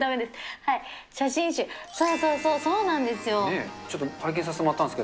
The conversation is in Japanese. はい、写真集、そうそうそう、そうなんですよ。